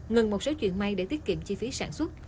ngừng một số chuyện may để tiết kiệm chi phí sản xuất